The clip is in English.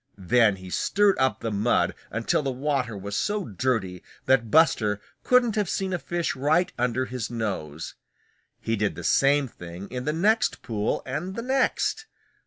Then he stirred up the mud until the water was so dirty that Buster couldn't have seen a fish right under his nose. He did the same thing in the next pool and the next.